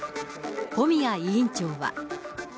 小宮委員長は。